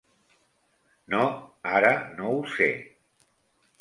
No, ara no ho sé.